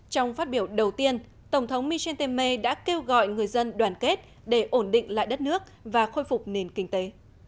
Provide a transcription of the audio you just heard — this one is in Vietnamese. trong phát biểu đầu tiên tổng thống michel temer đã kêu gọi người dân đoàn kết để ổn định lại đất nước và khôi phục nền kinh tế